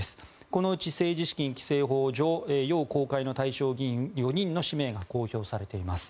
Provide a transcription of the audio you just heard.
このうち政治資金規正法上要公開の対象議員４人の氏名が公表されています。